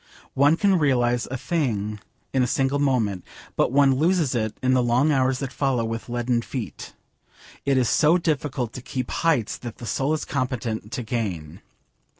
One can realise a thing in a single moment, but one loses it in the long hours that follow with leaden feet. It is so difficult to keep 'heights that the soul is competent to gain.'